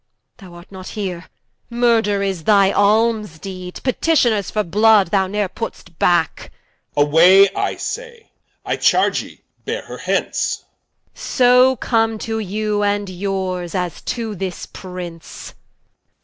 Thou art not heere; Murther is thy Almes deed: Petitioners for Blood, thou ne're put'st backe Ed. Away I say, I charge ye beare her hence, Qu. So come to you, and yours, as to this Prince.